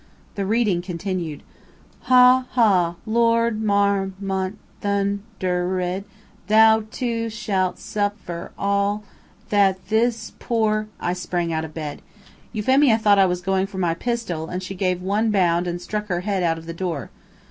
The reading continued. "Ha, ha! Lord Mar mont thun der ed thou too shalt suf fer all that this poor " I sprang out of bed. Euphemia thought I was going for my pistol, and she gave one bound and stuck her head out of the door.